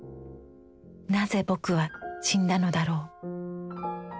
なぜ「ぼく」は死んだのだろう。